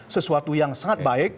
sesuatu yang sangat baik